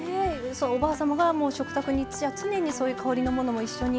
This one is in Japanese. おばあ様が食卓に常に香りのものも一緒に。